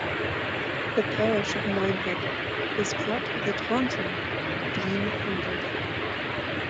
The parish of Nynehead was part of the Taunton Deane Hundred.